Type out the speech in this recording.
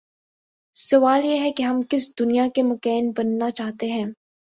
سوال یہ ہے کہ ہم کس دنیا کے مکین بننا چاہتے ہیں؟